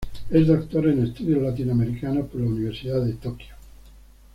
Es Doctor en Estudios Latinoamericanos por la Universidad de Tokio.